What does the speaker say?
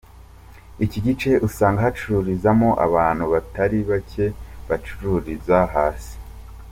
Iki gice usanga hacururizamo abantu batari bake bacururiza hasi.